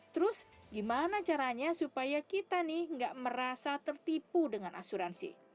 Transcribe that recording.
terus gimana caranya supaya kita nih nggak merasa tertipu dengan asuransi